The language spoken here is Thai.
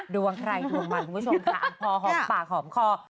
ดวงใครดวงมันคุณผู้ชมค่ะ